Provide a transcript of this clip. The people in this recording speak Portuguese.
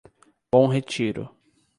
Bom Retiro